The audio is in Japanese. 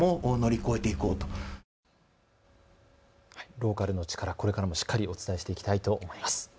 ローカルの力、これからもしっかりお伝えしていきたいと思います。